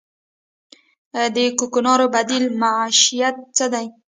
د کوکنارو بدیل معیشت څه دی؟